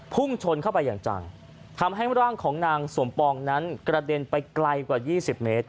พุ่งชนเข้าไปอย่างจังทำให้ร่างของนางสมปองนั้นกระเด็นไปไกลกว่า๒๐เมตร